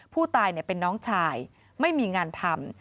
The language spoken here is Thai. ผู้ตายเป็นน้องชายไม่มีงานทำ